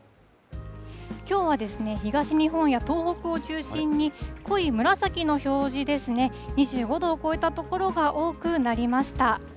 きょうは、東日本や東北を中心に、濃い紫の表示ですね、２５度を超えた所が多くなりました。